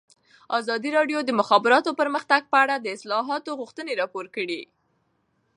ازادي راډیو د د مخابراتو پرمختګ په اړه د اصلاحاتو غوښتنې راپور کړې.